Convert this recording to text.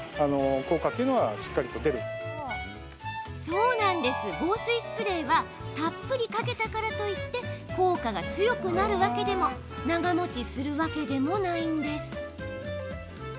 そう、防水スプレーはたっぷりかけたからといって効果が強くなるわけでも長もちするわけでもないんです。